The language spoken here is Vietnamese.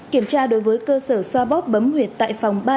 kiểm tra đối với cơ sở xoa bóp bấm huyệt tại phòng ba trăm linh bốn